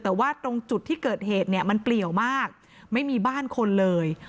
แต่ว่าตรงจุดที่เกิดเหตุเนี่ยมันเปลี่ยวมากไม่มีบ้านคนเลย